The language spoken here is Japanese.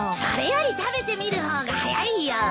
それより食べてみる方が早いよ。